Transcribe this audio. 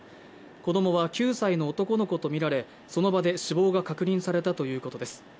子供は９歳の男の子とみられ、その場で死亡が確認されたということです。